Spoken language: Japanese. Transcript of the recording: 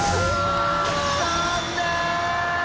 残念！